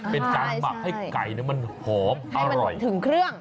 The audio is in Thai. เป็นการหมักให้ไก่มันหอมอร่อยถึงเครื่อง